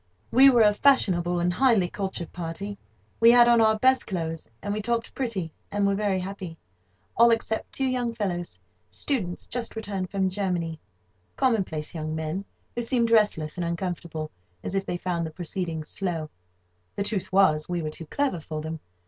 We were a fashionable and highly cultured party. We had on our best clothes, and we talked pretty, and were very happy—all except two young fellows, students, just returned from Germany, commonplace young men, who seemed restless and uncomfortable, as if they found the proceedings slow. The truth was, we were too clever for them.